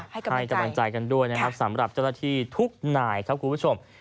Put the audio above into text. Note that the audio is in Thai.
ให้กำลังใจกันด้วยนะครับสำหรับเจ้าหน้าที่ทุกนายครับคุณผู้ชม